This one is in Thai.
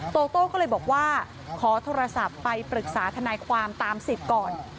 โตโต้ก็เลยบอกว่าขอโทรศัพท์ไปปรึกษาทนายความตามสิทธิ์ก่อน